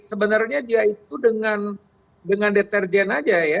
sebenarnya dia itu dengan dengan detergen aja ya